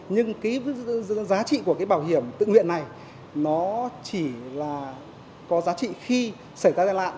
nhưng giá trị của bảo hiểm tự nguyện này chỉ là có giá trị khi xảy ra gian lạn